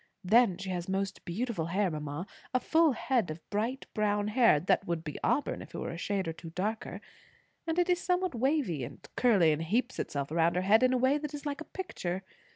Then she has most beautiful hair, mamma; a full head of bright brown hair, that would be auburn if it were a shade or two darker; and it is somewhat wavy and curly, and heaps itself around her head in a way that is like a picture.